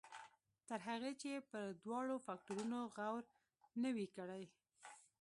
تر هغې چې پر دواړو فکټورنو غور نه وي کړی.